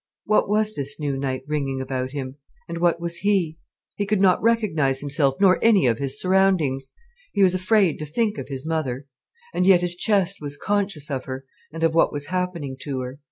What was this new night ringing about him, and what was he? He could not recognize himself nor any of his surroundings. He was afraid to think of his mother. And yet his chest was conscious of her, and of what was happening to her.